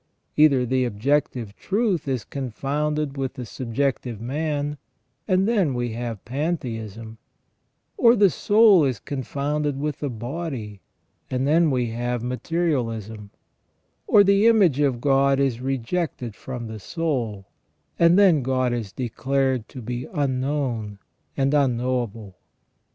Either the objective truth is confounded with the sub jective man, and then we have pantheism ; or the soul is con founded with the body, and then we have materialism ; or the image of God is rejected from the soul, and then God is declared to be unknown and unknowable.